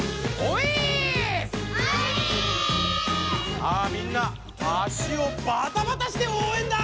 さあみんな足をバタバタしておうえんだ！